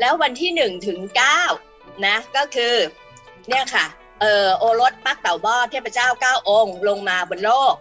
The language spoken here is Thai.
แล้ววันที่๑ถึง๙ก็คือโอรสปักเต่าบ่อเทพเจ้าเก้าองค์ลงมาบนโลก